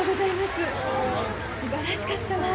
すばらしかったわ。